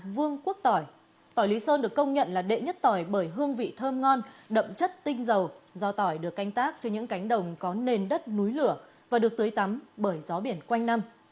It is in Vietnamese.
vương quốc tỏi tỏi lý sơn được công nhận là đệ nhất tỏi bởi hương vị thơm ngon đậm chất tinh dầu do tỏi được canh tác trên những cánh đồng có nền đất núi lửa và được tưới tắm bởi gió biển quanh năm